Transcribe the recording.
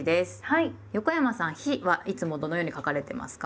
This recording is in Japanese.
横山さん「日」はいつもどのように書かれてますか？